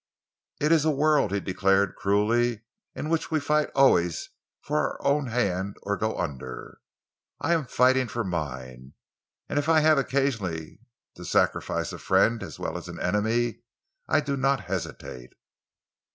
"It is a world," he declared cruelly, "in which we fight always for our own hand or go under. I am fighting for mine, and if I have occasionally to sacrifice a friend as well as an enemy, I do not hesitate."